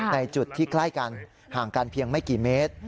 ในจุดที่ใกล้กันห่างกันเพียงไม่กี่เมตร